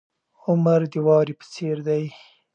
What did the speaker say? عمر د واورې په څیر دی.